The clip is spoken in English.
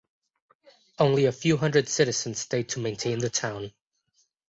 Only a few hundred citizens stayed to maintain the town.